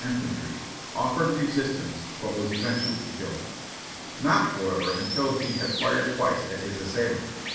In fantry, offered resistance but was eventually killed. Not, how ever, until he had fired twice at his assailant.